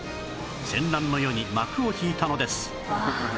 戦乱の世に幕を引いたのです